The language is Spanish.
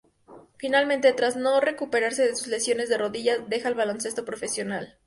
Finalmente, tras no recuperarse de sus lesiones de rodillas, deja el baloncesto profesional.